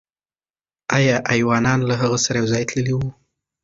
آیا ایوانان له هغه سره یو ځای تللي وو؟